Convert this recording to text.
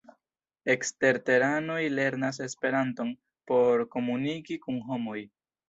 Eksterteranoj lernas Esperanton por komuniki kun homoj.